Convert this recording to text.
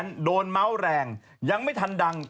ผมก็เลยงง